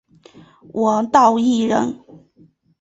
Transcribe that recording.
王道义人。